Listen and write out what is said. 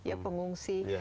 ada yang berpengaruh